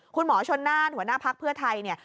คุณหมอชนน่านหัวหน้าพักเพื่อไทยเนี่ย